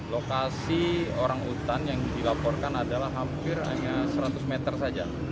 lokasi orangutan yang dilaporkan adalah hampir hanya seratus meter saja